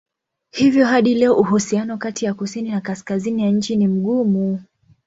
Hivyo hadi leo uhusiano kati ya kusini na kaskazini ya nchi ni mgumu.